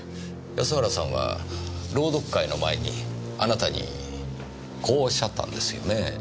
安原さんは朗読会の前にあなたにこうおっしゃったんですよねぇ。